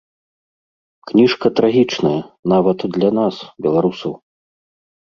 Кніжка трагічная, нават для нас, беларусаў.